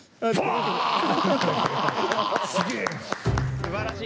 すばらしい！